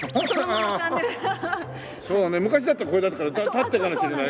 そうね昔だったらこれだったら立ってたかもしれない。